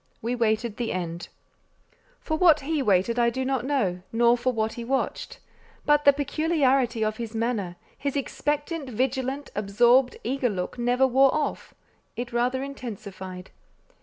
We waited the end. For what he waited, I do not know, nor for what he watched; but the peculiarity of his manner, his expectant, vigilant, absorbed, eager look, never wore off: it rather intensified.